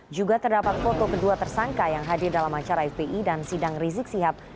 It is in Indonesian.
juga terdapat foto kedua tersangka yang hadir dalam acara fpi dan sidang rizik sihab